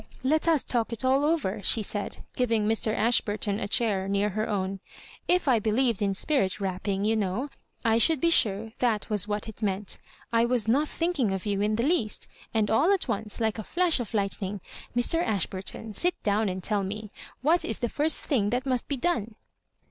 "Let us talk it all over," she said, giving Mr. Ashburton a chair near her own. If I believed in spirit rapping, you know, I should be sure that was what it meant I was not thinking of you in the least, and all at once, like a flash of lightning — Mr. Ashburton, sit down and tell me— what is the first thing that must be done